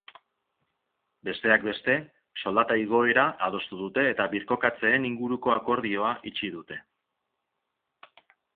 Besteak beste, soldata igoera adostu dute eta birkokatzeen inguruko akordioa itxi dute.